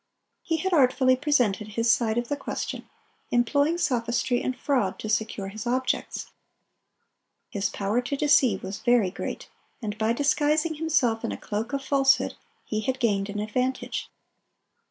He had artfully presented his side of the question, employing sophistry and fraud to secure his objects. His power to deceive was very great, and by disguising himself in a cloak of falsehood he had gained an advantage.